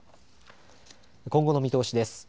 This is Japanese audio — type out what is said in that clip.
今後の見通しです。